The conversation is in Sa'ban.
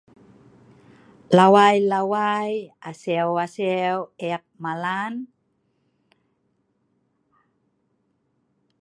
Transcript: Lawai-Lawai, aseau- aseau ek malan